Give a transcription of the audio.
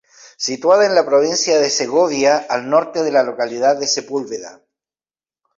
Situada en la provincia de Segovia al Norte de la localidad de Sepúlveda.